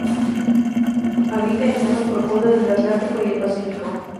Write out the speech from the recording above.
Habita en aguas profundas del Atlántico y el Pacífico.